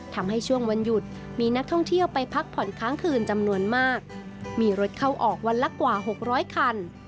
ทำให้ช่วงวันหยุดมีนักท่องเที่ยวไปพักผ่อนค้างคืนจำนวนมากมีรถเข้าออกวันละกว่า๖๐๐คัน